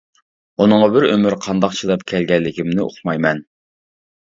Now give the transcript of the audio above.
ئۇنىڭغا بىر ئۆمۈر قانداق چىداپ كەلگەنلىكىمنى ئۇقمايمەن.